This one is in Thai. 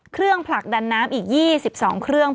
เครื่องผลักดันน้ำอีก๒๒เครื่อง